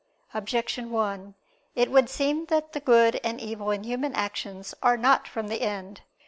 Objection 1: It would seem that the good and evil in human actions are not from the end.